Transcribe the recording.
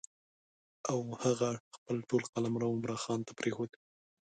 او هغه خپل ټول قلمرو عمرا خان ته پرېښود.